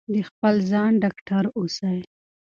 د خپل ځان ډاکټر اوسئ.